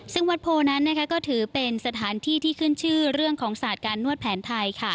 ซึ่งวัดโพนั้นก็ถือเป็นสถานที่ที่ขึ้นชื่อเรื่องของศาสตร์การนวดแผนไทย